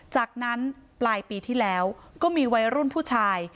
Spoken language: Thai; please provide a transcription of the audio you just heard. จากนั้นปลายปีที่แล้วก็มีวัยรุ่นผู้ชาย